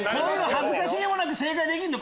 恥ずかしげもなく正解できるの。